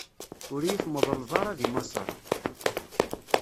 Ur yi-tmeḍleḍ ara di Maṣer!